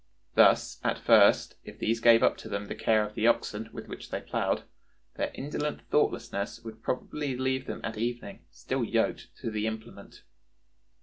"Thus at first, if these gave up to them the care of the oxen with which they plowed, their indolent thoughtlessness would probably leave them at evening still yoked to the implement.